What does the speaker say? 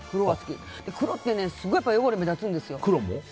黒ってすごい汚れ目立つんですよ。